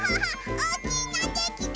おおきいのできた！